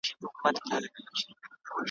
چي جوړ کړی چا خپلوانو ته زندان وي ,